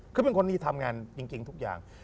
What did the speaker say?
คือเป็นคนที่ทำงานจริงทุกอย่าง